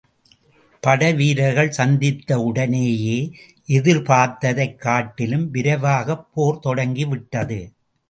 படைவீரர்கள் சந்தித்த உடனேயே எதிர்பார்த்ததைக் காட்டிலும் விரைவாகப் போர் தொடங்கி விட்டது.